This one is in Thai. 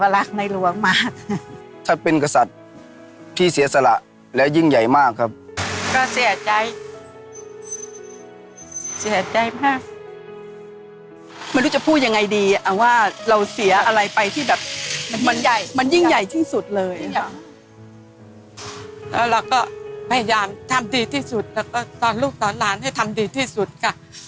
แล้วเราก็พยายามทำดีที่สุดแล้วก็ตอนลูกตอนหลานให้ทำดีที่สุดค่ะ